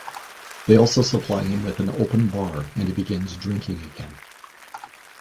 They also supply him with an open bar, and he begins drinking again.